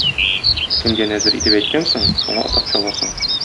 Кемгә нәзер итеп әйткәнсең, шуңа атап чаласың.